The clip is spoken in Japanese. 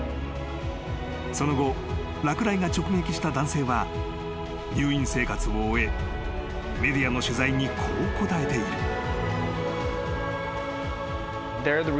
［その後落雷が直撃した男性は入院生活を終えメディアの取材にこう答えている］